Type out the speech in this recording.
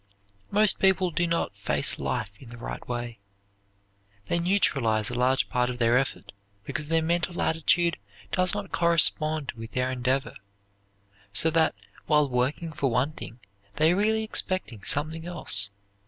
Most people do not face life in the right way. They neutralize a large part of their effort because their mental attitude does not correspond with their endeavor, so that while working for one thing they are really expecting something else.